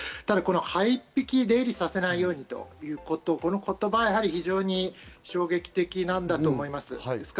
ハエ一匹出入りさせないようにというこの言葉、非常に衝撃的なんだと思います。